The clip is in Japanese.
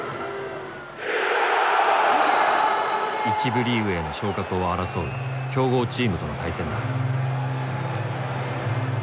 １部リーグへの昇格を争う強豪チームとの対戦だ。